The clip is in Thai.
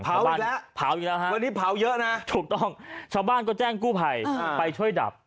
เผาแล้ววันนี้เผาเยอะนะถูกต้องชาวบ้านก็แจ้งกู้ไภไปช่วยดับ